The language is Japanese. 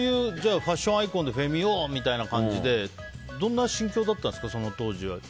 ファッションアイコンでフェミ男みたいな感じでどんな心境だったんですかその当時は。